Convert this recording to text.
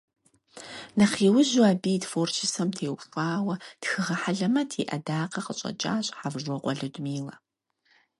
Нэхъ иужьу абы и творчествэм теухуауэ тхыгъэ хьэлэмэт и Ӏэдакъэ къыщӀэкӀащ Хьэвжокъуэ Людмилэ.